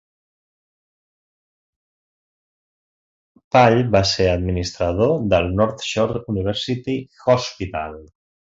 Pall va ser administrador del North Shore University Hospital.